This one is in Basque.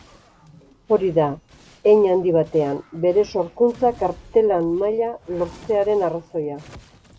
Hori da, hein handi batean, bere sorkuntzak artelan maila lortzearen arrazoia.